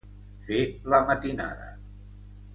Fer la matinada.